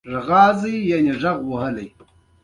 • خندېدل د خوشال ژوند راز دی.